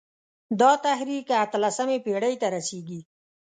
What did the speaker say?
دا تحریک اته لسمې پېړۍ ته رسېږي.